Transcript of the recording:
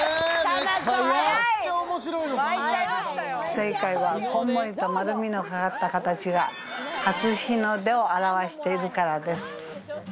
正解は、こんもりと丸みのかかった形が初日の出を表しているからです。